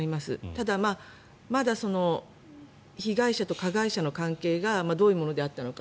ただ、まだ被害者と加害者の関係がどういうものであったのか。